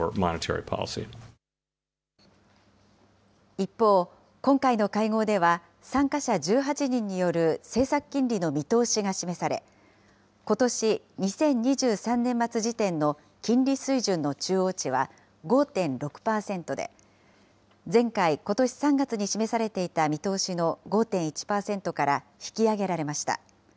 一方、今回の会合では、参加者１８人による政策金利の見通しが示され、ことし・２０２３年末時点の金利水準の中央値は５．６％で、前回・ことし３月に示されていた見通しの５．１％から引き上げられました。